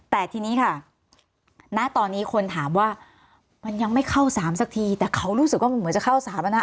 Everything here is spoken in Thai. แต่ทีนี้ค่ะณตอนนี้คนถามว่ามันยังไม่เข้า๓สักทีแต่เขารู้สึกว่ามันเหมือนจะเข้าสาธารณะ